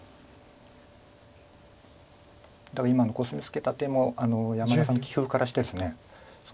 だから今のコスミツケた手も山田さんの棋風からしてですね